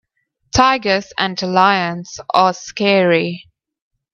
Tigers and lions are scary.